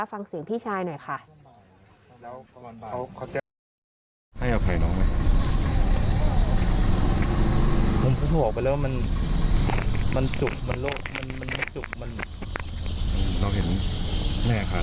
ฟังเสียงพี่ชายหน่อยค่ะ